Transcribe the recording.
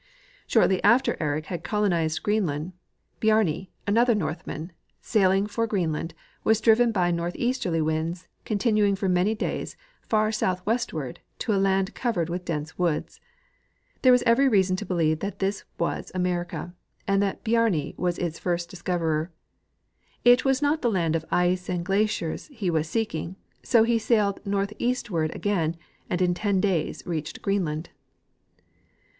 Shortly after Eric had colonized Greenland, Bjarni, another Northman, sailing for Greenland, AA'as driven by northeasterly winds continuing for many days far southwestward, to a land covered with dense Avoods. There is every reason to believe that this'was America, and that Bjarni Avas its first discoverer. It Avas not the land of ice and glaciers he was seeking, so he sailed northeastAvard again, and in ten days reached Greenland.